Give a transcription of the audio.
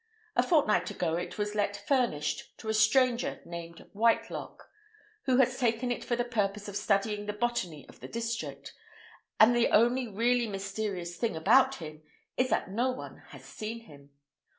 A fortnight ago it was let furnished to a stranger named Whitelock, who has taken it for the purpose of studying the botany of the district; and the only really mysterious thing about him is that no one has seen him.